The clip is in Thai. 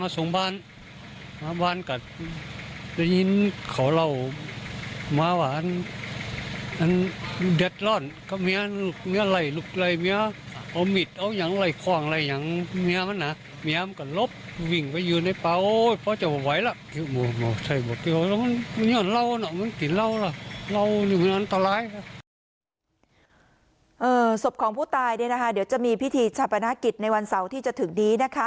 ศพของผู้ตายเนี่ยนะคะเดี๋ยวจะมีพิธีชาปนกิจในวันเสาร์ที่จะถึงนี้นะคะ